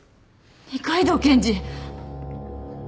二階堂検事！？